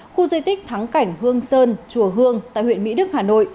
khu di tích thắng cảnh hương sơn chùa hương tại huyện mỹ đức hà nội